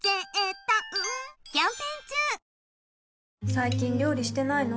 最近料理してないの？